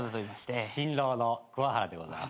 新郎の桑原でございます。